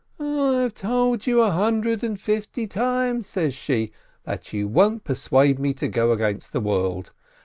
— "I've told you a hundred and fifty times," says she, "that you won't persuade me to go against the world!